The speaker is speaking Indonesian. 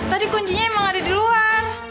tadi kuncinya emang ada di luar